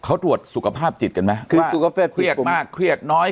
เขาตรวจสุขภาพจิตกันไหมคือสุขภาพเครียดมากเครียดน้อย